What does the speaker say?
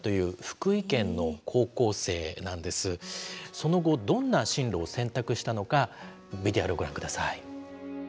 その後どんな進路を選択したのかＶＴＲをご覧下さい。